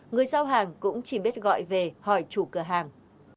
người giao hàng cũng chỉ biết gọi về hỏi chủ cửa hàng